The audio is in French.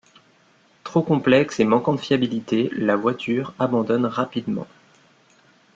Trop complexe et manquant de fiabilité, la voiture abandonne rapidement.